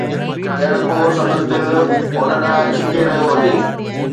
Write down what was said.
ڄڻ ڪو سندس دل هن ڏانهن ڇڪي رهيو هجي